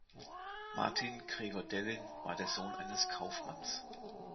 Martin Gregor-Dellin war der Sohn eines Kaufmanns.